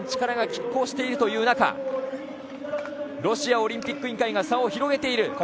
力が拮抗しているという中ロシアオリンピック委員会が差を広げている。